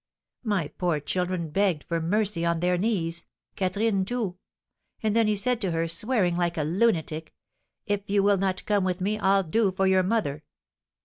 My poor children begged for mercy on their knees, Catherine, too; and then he said to her, swearing like a lunatic, 'If you will not come with me I'll do for your mother!'